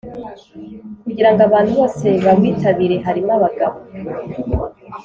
kugira ngo abantu bose bawitabire harimo abagabo,